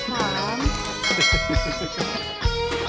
kau mau nikah